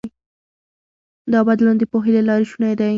دا بدلون د پوهې له لارې شونی دی.